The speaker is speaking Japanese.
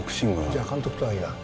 じゃあ監督とは言わん。